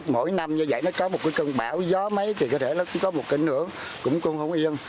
mỗi năm như vậy nó có một cái cơn bão gió mấy thì có thể nó cũng có một cơn nữa cũng con không yên